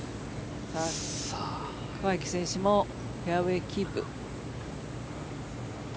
桑木選手もフェアウェーキープ。